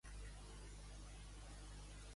És a dir, poden administrar cinc sagraments.